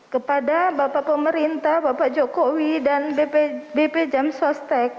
kepada bapak pemerintah dan bp jamsonstek